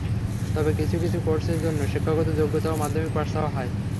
তবে কিছু কিছু কোর্সের জন্য শিক্ষাগত যোগ্যতা মাধ্যমিক পাস চাওয়া হয়।